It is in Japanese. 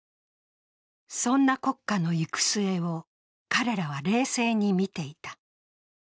そんな国家の行く末を彼らは冷静に見ていた。